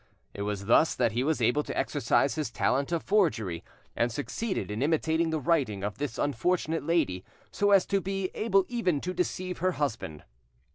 It was thus that he was able to exercise his talent of forgery, and succeeded in imitating the writing of this unfortunate lady so as to be able even to deceive her husband.